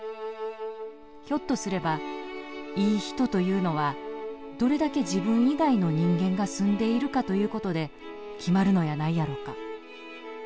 ひょっとすればいい人というのはどれだけ自分以外の人間が住んでいるかということで決まるのやないやろか」。